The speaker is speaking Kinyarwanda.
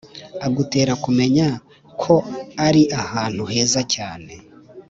agutera kumenya ko ari ahantu heza cyane.